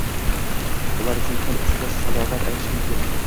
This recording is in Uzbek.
Ular uchun til uchida salovat aytish mumkin.